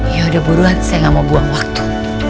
yaudah buruan saya nggak mau buang waktu